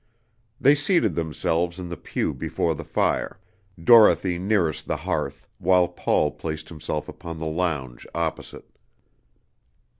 They seated themselves in the pew before the fire, Dorothy nearest the hearth, while Paul placed himself upon the lounge opposite.